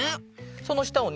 そのしたをね